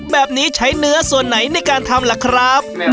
แบบนี้ใช้เนื้อส่วนไหนในการทำล่ะครับ